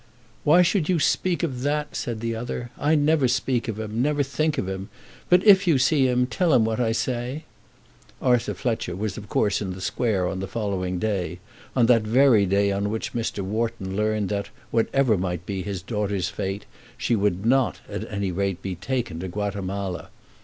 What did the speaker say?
"Why should you speak of that?" said the other. "I never speak of him, never think of him. But, if you see him, tell him what I say." Arthur Fletcher was of course in the Square on the following day, on that very day on which Mr. Wharton learned that, whatever might be his daughter's fate, she would not, at any rate, be taken to Guatemala.